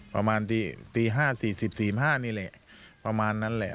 ประมาณตี๕๔๐๔๕นี่แหละประมาณนั้นแหละ